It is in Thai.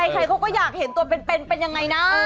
ใครเขาก็อยากเห็นตัวเป็นเป็นยังไงนะ